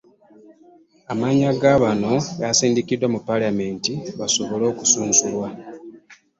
Amannya ga bano yasindikiddwa mu Paalamenti basobole okusunsulwa.